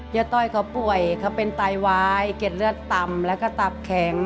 ต้อยเขาป่วยเขาเป็นไตวายเก็ดเลือดต่ำแล้วก็ตับแข็ง